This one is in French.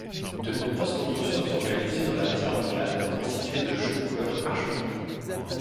De nombreuses constructions sont réalisées dans la pierre locale, constituée de chaux couleur argent-gris.